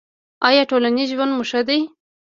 ایا ټولنیز ژوند مو ښه دی؟